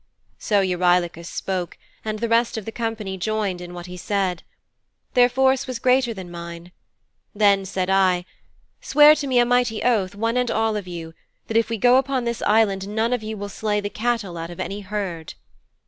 "' 'So Eurylochus spoke and the rest of the company joined in what he said. Their force was greater than mine. Then said I, "Swear to me a mighty oath, one and all of you, that if we go upon this Island none of you will slay the cattle out of any herd."'